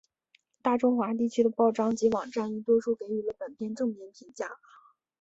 大中华地区的报章及网站亦多数给予了本片正面评价。